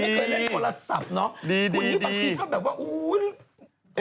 คุณนี่บางทีครับแบบว่าก็นะ